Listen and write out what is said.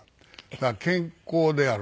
だから健康である。